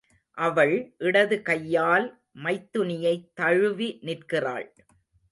அவள் இடது கையால் மைத்துனியைத் தழுவி நிற்கிறாள்.